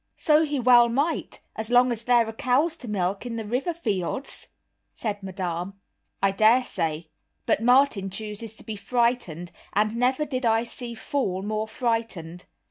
"So he well might, as long as there are cows to milk in the river fields," said Madame. "I daresay; but Martin chooses to be frightened, and never did I see fool more frightened."